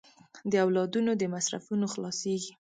د اولادونو د مصرفونو خلاصېږي.